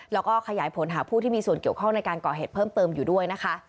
แล้วก็ขยายผลหาผู้ที่มีส่วนเกี่ยวข้องในการก่อเหตุเพิ่มเติมอยู่ด้วยนะคะ